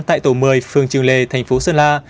tại tổ một mươi phường trường lề thành phố sơn la